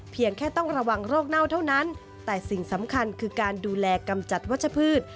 เพียงแค่ต้องระวังโรคเน่าเท่านั้นแต่สิ่งสำคัญคือการดูแลกำจัดวัชพืช